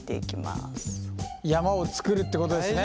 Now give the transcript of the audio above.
山を作るってことですね